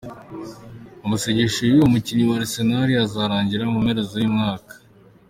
Amasezerano y'uwo mukinyi wa Arsenal azorangira mu mpera z'uyu mwaka.